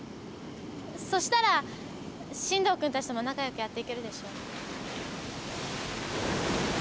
そしたら進藤君たちとも仲よくやっていけるでしょ？